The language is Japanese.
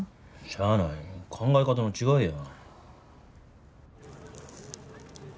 しゃあない考え方の違いや。